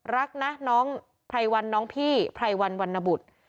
รักนะน้องไพรวันน้องพี่ไพรวันวันนบุตร